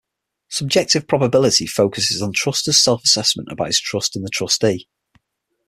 Subjective probability focuses on trustor's self-assessment about his trust in the trustee.